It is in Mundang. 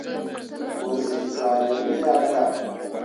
Mu zi cwah nii me ya ka.